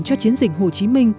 cho chiến dịch hồ chí minh